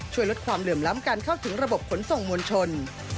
ช่วยลดความเหลื่อมล้ำการเข้าถึงระบบขนส่งมวลชน